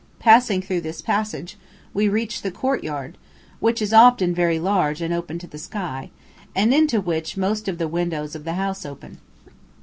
Passing through this passage, we reach the courtyard, which is often very large and open to the sky, and into which most of the windows of the house open.